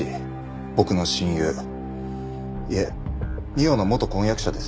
僕の親友いえ美緒の元婚約者です。